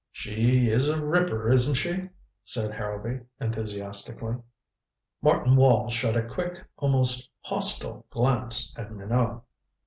"She is a ripper, isn't she?" said Harrowby enthusiastically. Martin Wall shot a quick, almost hostile glance at Minot.